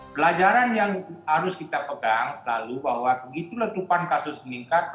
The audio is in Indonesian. pelajaran yang harus kita pegang selalu bahwa begitu letupan kasus meningkat